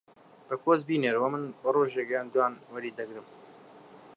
بە پۆست بینێرە و من بە ڕۆژێک یان دووان وەری دەگرم.